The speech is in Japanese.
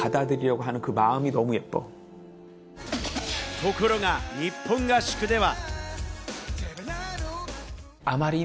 ところが日本合宿では。